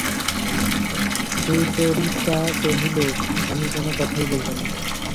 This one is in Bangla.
সুচরিতা কহিল, আমি কোনো কথাই বলব না।